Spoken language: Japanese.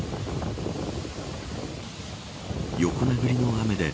横殴りの雨で